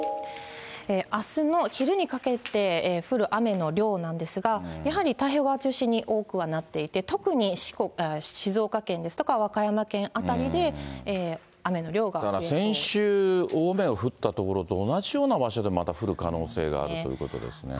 あすの昼にかけて降る雨の量なんですが、やはり太平洋側を中心に多くはなっていて、特に静岡県ですとか、だから先週、大雨が降った所と同じような場所でまた降る可能性があるということですね。